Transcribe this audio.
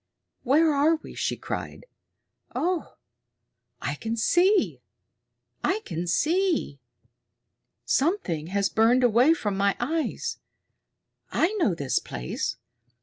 "Where are we?" she cried. "Oh, I can see! I can see! Something has burned away from my eyes! I know this place.